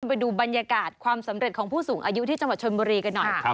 ไปดูบรรยากาศความสำเร็จของผู้สูงอายุที่จังหวัดชนบุรีกันหน่อย